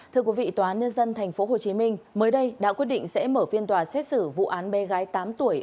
thưa quý vị tòa án nhân dân tp hcm mới đây đã quyết định sẽ mở phiên tòa xét xử vụ án bé gái tám tuổi